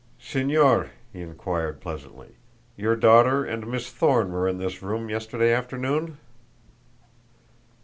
"Señor," he inquired pleasantly, "your daughter and Miss Thorne were in this room yesterday afternoon?"